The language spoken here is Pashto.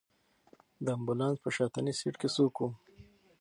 د امبولانس په شاتني سېټ کې څوک و؟